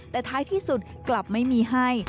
แต่ท้ายที่สุดกลับไม่มีให้